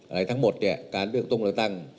อะไรทั้งหมดเนี่ยการเลือกตั้ง